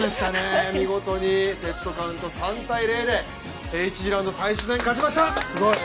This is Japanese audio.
見事、セットカウント３−０で１次ラウンド最終戦勝ちました！